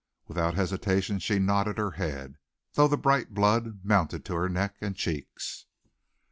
Without hesitation she nodded her head, though the bright blood mounted to her neck and cheeks.